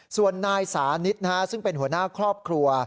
ส่วนนายสานิทซึ่งเป็นหัวหน้าครอบครัว